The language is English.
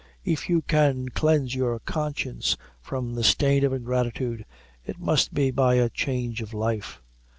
If you can cleanse your conscience from the stain of ingratitude, it must be by a change of life."